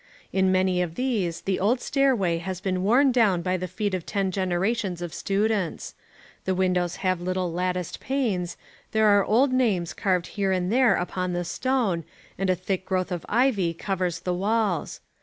In many of these the old stairway has been worn down by the feet of ten generations of students: the windows have little latticed panes: there are old names carved here and there upon the stone, and a thick growth of ivy covers the walls.